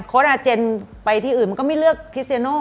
อาเจนไปที่อื่นมันก็ไม่เลือกคริสเซียโน่